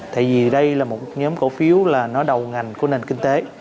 tại vì đây là một nhóm cổ phiếu đầu ngành của nền kinh tế